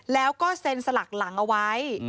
แล้วก็เซ็นสลักหลังเอาไว้